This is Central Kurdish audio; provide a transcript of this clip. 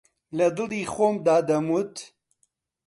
لەدڵی خۆمدا دەموت